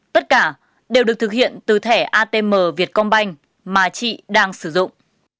tất cả đều được thực hiện từ thẻ atm việt công banh mà chị đang sử dụng